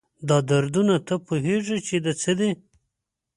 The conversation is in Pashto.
دا دردونه، تۀ پوهېږي چې د څه دي؟